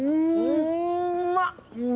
うまっ！